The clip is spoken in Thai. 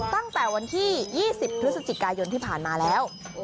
ตั้งแต่วันที่๒๐พฤศจิกายนที่ผ่านมาแล้ว